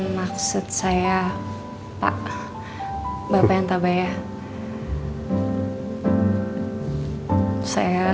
maksud saya pak bapak yang tabah ya